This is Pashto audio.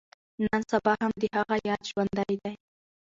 نن سبا هم د هغه ياد ژوندی دی.